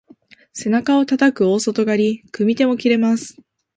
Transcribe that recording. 背中をたたく大外刈り、組み手も切れます。